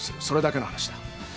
それだけの話だ。